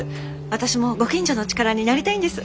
私もご近所の力になりたいんです。